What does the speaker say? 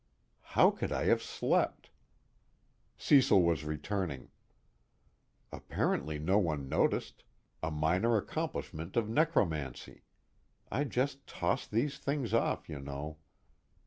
How could I have slept? Cecil was returning. _Apparently no one noticed a minor accomplishment of necromancy I just toss these things off, you know.